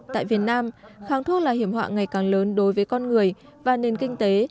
tại việt nam kháng thuốc là hiểm họa ngày càng lớn đối với con người và nền kinh tế